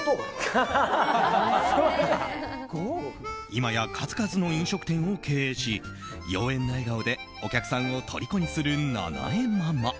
今や数々の飲食店を経営し妖艶な笑顔でお客さんを虜にする菜々江ママ。